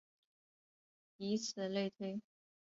以此类推。